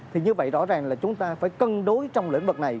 thì như vậy rõ ràng là chúng ta phải cân đối trong lĩnh vực này